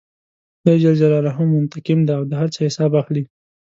خدای جل جلاله منتقم دی او د هر چا حساب اخلي.